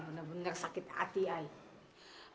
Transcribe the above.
benar benar sakit hati